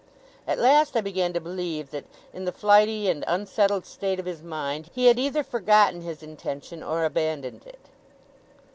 At last I began to believe, that, in the flighty and unsettled state of his mind, he had either forgotten his intention or abandoned it.